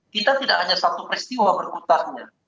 kita tidak hanya satu peristiwa berputarnya